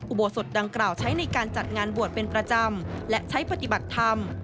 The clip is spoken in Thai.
อุโบสถดังกล่าวใช้ในการจัดงานบวชเป็นประจำและใช้ปฏิบัติธรรม